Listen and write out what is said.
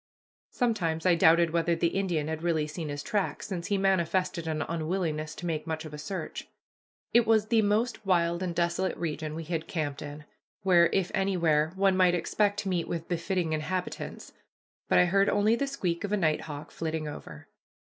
Sometimes I doubted whether the Indian had really seen his tracks, since he manifested an unwillingness to make much of a search. It was the most wild and desolate region we had camped in, where, if anywhere, one might expect to meet with befitting inhabitants, but I heard only the squeak of a nighthawk flitting over.